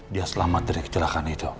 dia selamat materi kecelakaan itu